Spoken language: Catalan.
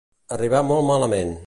Arribar molt malament.